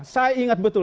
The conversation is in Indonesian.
saya ingat betul